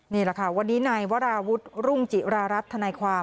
นี่แหละค่ะวันนี้นายวราวุฒิรุ่งจิรารัฐธนายความ